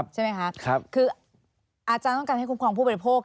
ใช่ไหมคะคืออาจารย์ต้องการให้คุ้มครองผู้บริโภค